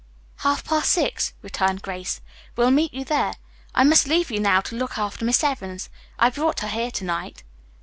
"Half past six," returned Grace. "We'll meet you there. I must leave you now to look after Miss Evans. I brought her here to night."